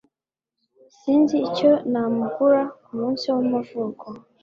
Sinzi icyo namugura kumunsi w'amavuko